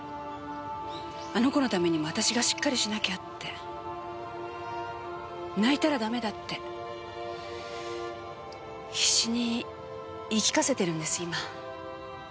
あの子のためにも私がしっかりしなきゃって泣いたらダメだって必死に言い聞かせてるんです今。